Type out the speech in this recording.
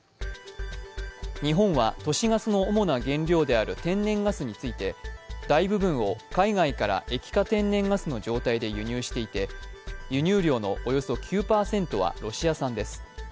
日本は、都市ガスの主な原料である天然ガスについて大部分を海外から液化天然ガスの状態で輸入していて、輸入量のおよそ９％はロシア産です